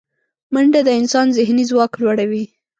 منډه د انسان ذهني ځواک لوړوي